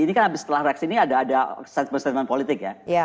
ini kan setelah reaksi ini ada ada per statement politik ya